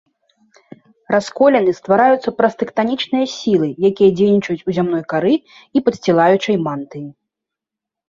Расколіны ствараюцца праз тэктанічныя сілы, якія дзейнічаюць у зямной кары і падсцілаючай мантыі.